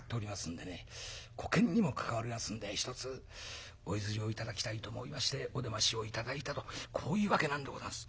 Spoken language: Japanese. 沽券にも関わりますんでひとつお譲りを頂きたいと思いましてお出ましを頂いたとこういうわけなんでござんす」。